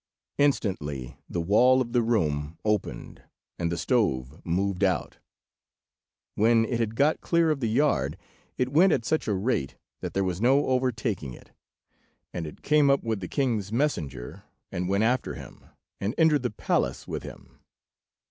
Instantly the wall of the room opened, and the stove moved out. When it had got clear of the yard, it went at such a rate that there was no overtaking it, and it came up with the king's messenger, and went after him, and entered the palace with him.